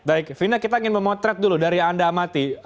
baik vina kita ingin memotret dulu dari yang anda amati